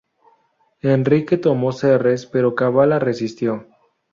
Enrique tomó Serres, pero Kavala resistió.